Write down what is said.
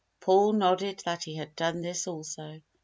Paul nodded that he had done this also.